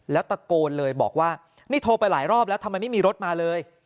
แล้วตะโกนเลยบอกว่านี่โทรไปหลายรอบแล้วทำไมไม่มีรถมาเลย